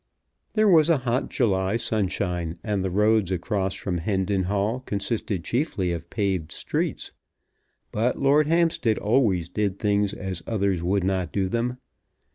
There was a hot July sunshine, and the roads across from Hendon Hall consisted chiefly of paved streets. But Lord Hampstead always did things as others would not do them.